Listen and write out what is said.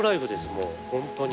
もう本当に。